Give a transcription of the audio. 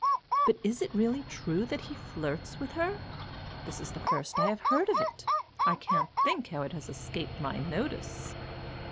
But is it really true that he flirts with her? This is the first I have heard of it. I can't think how it has escaped my notice."